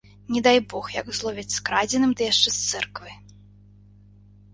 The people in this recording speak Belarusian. Не дай бог, як зловяць з крадзеным ды яшчэ з цэрквы.